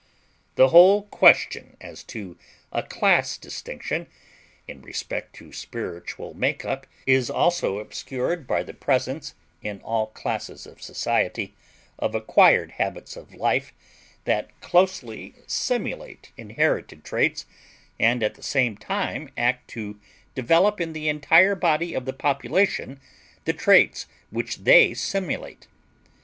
The whole question as to a class distinction in respect to spiritual make up is also obscured by the presence, in all classes of society, of acquired habits of life that closely simulate inherited traits and at the same time act to develop in the entire body of the population the traits which they simulate.